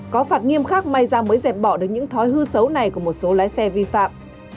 có phạt nghiêm khắc may ra mới dẹp bỏ được những thói hư xấu này của một số lái xe vi phạm